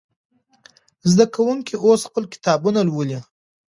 زده کوونکي اوس خپل کتابونه لولي.